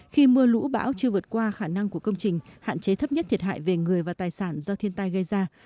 khi mưa lũ bão chưa vượt qua khả năng của công trình hạn chế thấp nhất thiệt hại về người và tài sản do thiên tai gây ra